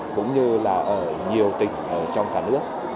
cũng như là ở nhiều tỉnh trong cả nước